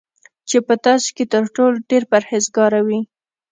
چی په تاسی کی تر ټولو ډیر پرهیزګاره وی